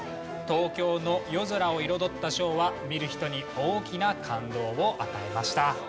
東京の夜空を彩ったショーは見る人に大きな感動を与えました。